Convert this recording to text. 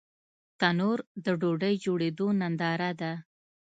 تنور د ډوډۍ جوړېدو ننداره ده